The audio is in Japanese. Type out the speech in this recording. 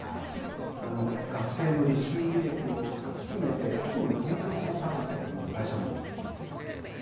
学生の履修履歴を集めて、企業に提供するサービスを行う会社も出てきています。